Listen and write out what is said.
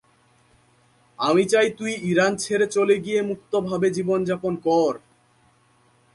আমি চাই তুই ইরান ছেড়ে চলে গিয়ে মুক্তভাবে জীবনযাপন কর!